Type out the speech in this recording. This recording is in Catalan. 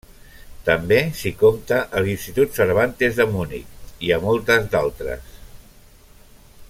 També s'hi compta a l'Institut Cervantes de Munic, i a moltes d'altres.